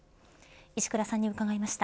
石倉さんに伺いました。